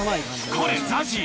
これＺＡＺＹ！